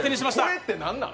これって何なん？